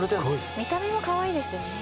見た目もかわいいですよね。